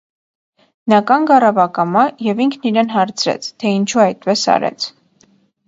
Նա կանգ առավ պկամա և ինքն իրեն հարցրեց, թե ինչո՞ւ այդպես արեց.